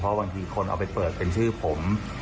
เพราะว่าบางทีคนเอาไปเปิดเป็นชื่อผม